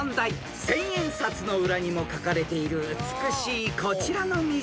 ［千円札の裏にも描かれている美しいこちらの湖］